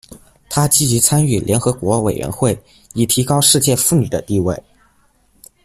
她积极参与和联合国委员会，以提高世界妇女的地位。